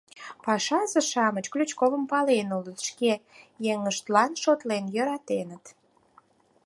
Пашазе-шамыч Ключковым пален улыт, шке еҥыштланак шотлен йӧратеныт.